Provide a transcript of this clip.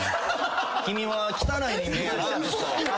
君は汚い人間やなぁ。